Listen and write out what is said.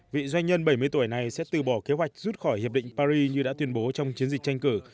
vị doanh nhân bảy mươi tuổi này sẽ từ bỏ kế hoạch rút khỏi hiệp định paris như đã tuyên bố trong chiến dịch tranh cử